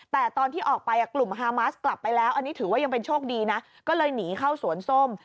แต่ตอนที่ออกไปกลุ่มฮามาสกลับไปแล้วอันนี้ถือว่ายังเป็นโชคดีนะก็เลยหนีเข้าสวนส้ม